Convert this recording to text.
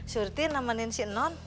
surti namanin si non